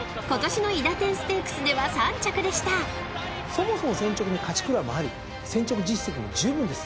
そもそも千直に勝ちくらもあり千直実績も十分です。